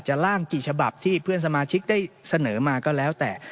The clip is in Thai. ร่างกี่ฉบับที่เพื่อนสมาชิกได้เสนอมาก็แล้วแต่